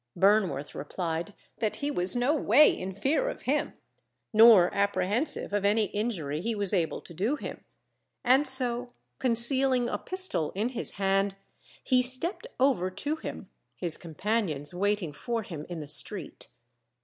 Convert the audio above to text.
Burnworth replied that he was no way in fear of him, nor apprehensive of any injury he was able to do him, and so concealing a pistol in his hand, he stepped over to him, his companions waiting for him in the street.